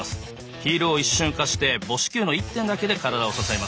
ヒールを一瞬浮かして母指球の１点だけで体を支えます。